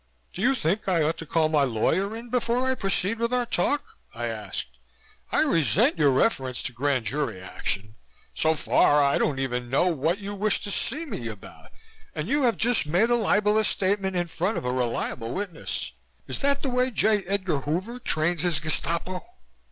"Do you think I ought to call my lawyer in before I proceed with our talk?" I asked. "I resent your reference to Grand Jury action. So far, I don't even know what you wish to see me about and you have just made a libelous statement in front of a reliable witness. Is that the way J. Edgar Hoover trains his Gestapo?"